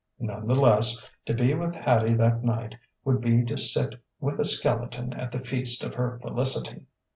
None the less, to be with Hattie that night would be to sit with a skeleton at the feast of her felicity....